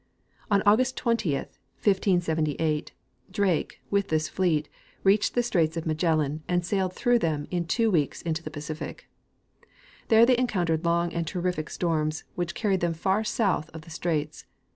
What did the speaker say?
On August 20, 1578, Drake, with this fleet, reached the straits of Magellan and sailed through them in two weeks into the Pacific. There they encoun tered long and terrific storms, which carried them far south of the straits.